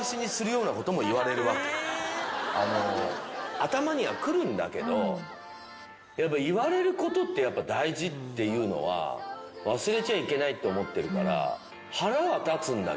頭にはくるんだけど言われることって大事っていうのは忘れちゃいけないって思ってるから。